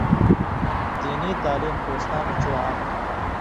دینی تعلیم کوستاں مہ چو عام تُھو